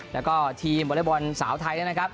และก็ทีมบริบอลสาวไทย